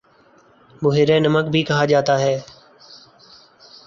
بحیرہ نمک بھی کہا جاتا ہے